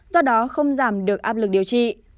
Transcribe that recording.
do đó không giảm được áp lực điều trị